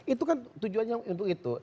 itu kan tujuannya untuk itu